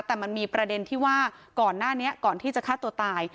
แต่มันมีประเด็นที่ว่าก่อนหน้านี้ก่อนที่จะฆ่าตัวตาย